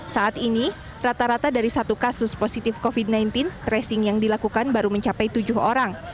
saat ini rata rata dari satu kasus positif covid sembilan belas tracing yang dilakukan baru mencapai tujuh orang